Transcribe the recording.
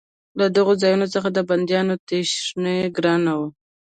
له دغو ځایونو څخه د بندي تېښته ګرانه وه.